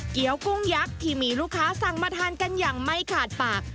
กุ้งยักษ์ที่มีลูกค้าสั่งมาทานกันอย่างไม่ขาดปาก